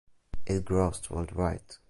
It grossed worldwide.